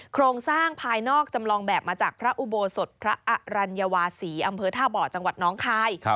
โครงสร้างภายนอกจำลองแบบมาจากพระอุโบสถพระอรัญวาศีอำเภอท่าบ่อจังหวัดน้องคาย